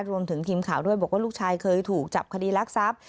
รวมถึงทีมข่าวด้วยบอกว่าลูกชายเคยถูกจับคดีลักษับ